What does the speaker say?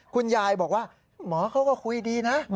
คุณยายบอกว่าหมอเขาก็คุยดีนะ